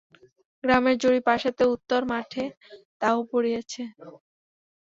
গ্রামের জরিপ আসাতে উত্তর মাঠে তাঁবু পড়িয়াছে।